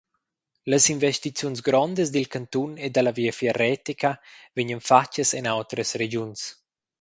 Las investiziuns grondas dil cantun e dalla Viafier retica vegnan fatgas en autras regiuns.